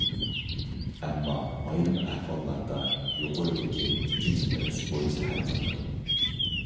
ئەمما، ئايرىم ئەھۋاللاردا يۇقىرىدىكى ئىككىنچى پىرىنسىپ بويىچە ھەل قىلىنىدۇ.